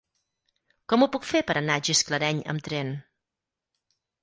Com ho puc fer per anar a Gisclareny amb tren?